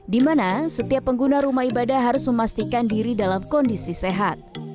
di mana setiap pengguna rumah ibadah harus memastikan diri dalam kondisi sehat